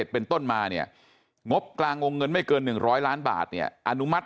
เป็นต้นมาเนี่ยงบกลางวงเงินไม่เกิน๑๐๐ล้านบาทเนี่ยอนุมัติ